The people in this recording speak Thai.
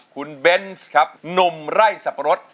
คุณเบนส์ครับหนุ่มไร่สับปะรด